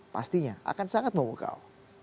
pastinya akan sangat memukau